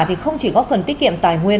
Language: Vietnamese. thì không chỉ góp phần tiết kiệm tài nguyên